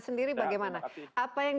sendiri bagaimana apa yang